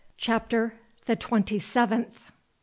CHAPTER THE TWENTY SEVENTH.